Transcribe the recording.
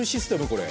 これ。